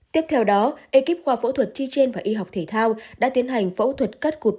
tiếp theo đó ekip khoa phẫu thuật chi trên và y học thể thao đã tiến hành phẫu thuật cắt cụt